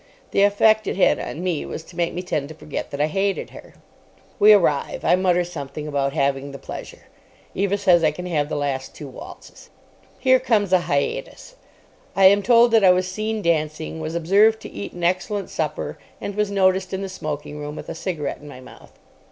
The effect it had on me was to make me tend to forget that I hated her. We arrive. I mutter something about having the pleasure. Eva says I can have the last two waltzes. Here comes a hiatus. I am told that I was seen dancing, was observed to eat an excellent supper, and was noticed in the smoking room with a cigarette in my mouth.